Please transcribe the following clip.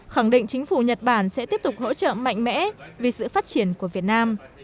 khẳng định chính phủ nhật bản sẽ tiếp tục hỗ trợ mạnh mẽ vì sự phát triển của việt nam